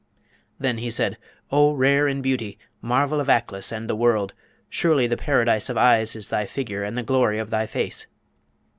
Then he said, 'O rare in beauty! marvel of Aklis and the world! surely the paradise of eyes is thy figure and the glory of thy face!'